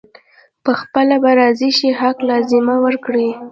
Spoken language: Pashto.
پخپله به راضي شي حق الزحمه ورکړي.